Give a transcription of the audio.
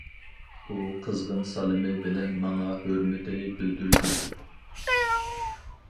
ئۇ قىزغىن سالىمى بىلەن ماڭا ھۆرمىتىنى بىلدۈردى.